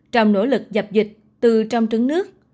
trong nỗ lực dập dịch từ trong trứng nước